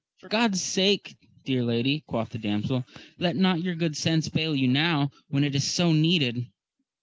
For God's sake, dear lady, quoth the damsel, let not your good sense fail you now, when it is so needed.